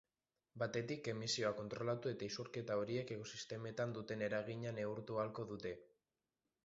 Batetik, emisioak kontrolatu eta isurketa horiek ekosistemetan duten eragina neurtu ahalko dute.